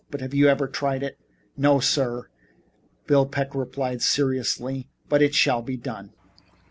"But, have you ever tried it?" "No, sir," Bill Peck replied seriously, "but it shall be done!"